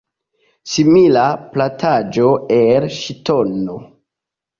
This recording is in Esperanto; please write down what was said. Simila plataĵo el ŝtono.